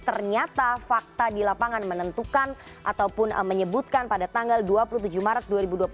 ternyata fakta di lapangan menentukan ataupun menyebutkan pada tanggal dua puluh tujuh maret dua ribu dua puluh tiga